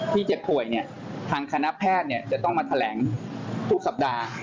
เจ็บป่วยเนี่ยทางคณะแพทย์จะต้องมาแถลงทุกสัปดาห์